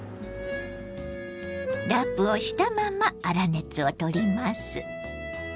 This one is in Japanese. ラップをしたまま粗熱を取ります。